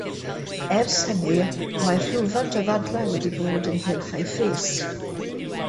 Ers hynny, mae rhywfaint o ddadlau wedi bod ynghylch ei phris.